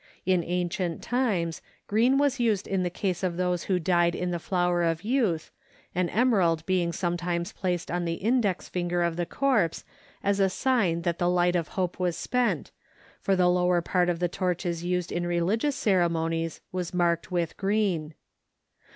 In ancient times green was used in the case of those who died in the flower of youth, an emerald being sometimes placed on the index finger of the corpse, as a sign that the light of hope was spent, for the lower part of the torches used in religious ceremonies was marked with green.